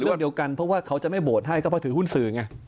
วันเดียวกันเพราะว่าเขาจะไม่โบสถ์ให้ก็เพราะถือหุ้นสื่อไง